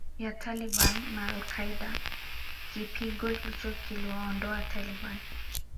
ya Taliban na Al Qaeda Kipigo hicho kiliwaondoa Taliban